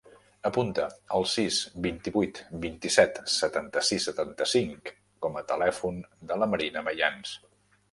Apunta el sis, vint-i-vuit, vint-i-set, setanta-sis, setanta-cinc com a telèfon de la Marina Mayans.